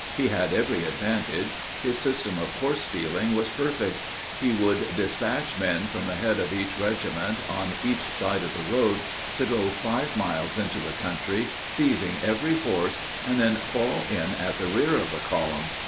He had every advantage. His system of horse stealing was perfect. He would despatch men from the head of each regiment, on each side of the road, to go five miles into the country, seizing every horse, and then fall in at the rear of the column.